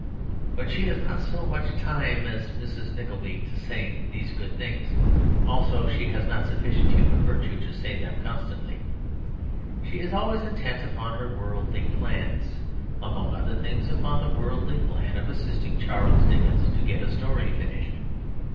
But she has not so much time as Mrs. Nickleby to say these good things; also she has not sufficient human virtue to say them constantly. She is always intent upon her worldly plans, among other things upon the worldly plan of assisting Charles Dickens to get a story finished.